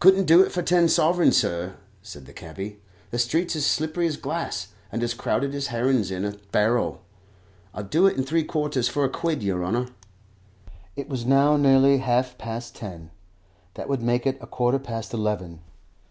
"Couldn't do it for ten sovereigns, sir," said the cabby. "The streets is as slippery as glass, and as crowded as herrin's in a barrel. I'll do it in three quarters for a quid, yer honour." It was now nearly half past ten; that would make it a quarter past eleven.